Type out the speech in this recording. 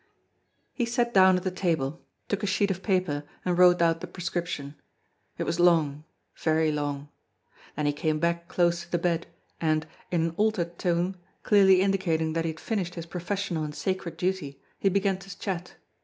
He sat down at the table, took a sheet of paper, and wrote out the prescription. It was long, very long. Then he came back close to the bed, and, in an altered tone, clearly indicating that he had finished his professional and sacred duty, he began to chat.